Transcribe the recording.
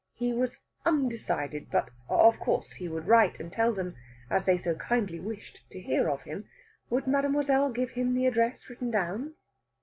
He was undecided, but, of course, he would write and tell them as they so kindly wished to hear of him. Would mademoiselle give him the address written down?